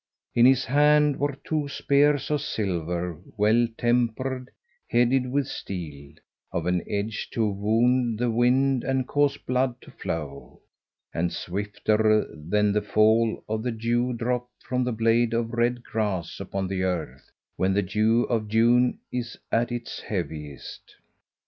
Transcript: In his hand were two spears of silver, well tempered, headed with steel, of an edge to wound the wind and cause blood to flow, and swifter than the fall of the dew drop from the blade of reed grass upon the earth when the dew of June is at its heaviest.